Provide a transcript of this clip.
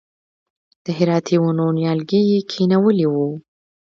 د هراتي ونو نیالګي یې کښېنولي و.